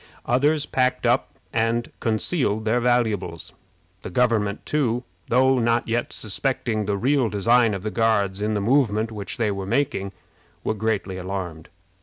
Others packed up and concealed their valuables. The government, too, though not yet suspecting the real design of the Guards in the movement which they were making, were greatly alarmed.